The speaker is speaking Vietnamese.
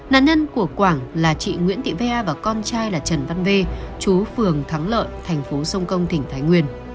nạn nhân của quảng là chị nguyễn tị va và con trai là trần văn vê trú phường thắng lợn thành phố sông công tỉnh thái nguyên